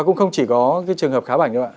những cái trường hợp khá bảnh đó ạ